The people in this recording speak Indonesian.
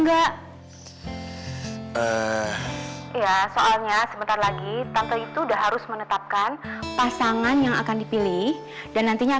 aku kasih danya